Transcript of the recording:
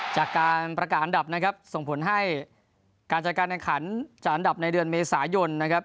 จากการประกาศอันดับนะครับส่งผลให้การจัดการแข่งขันจะอันดับในเดือนเมษายนนะครับ